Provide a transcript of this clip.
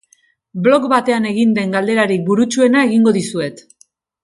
Blog batean egin den galderarik burutsuena egingo dizuet.